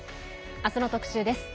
明日の特集です。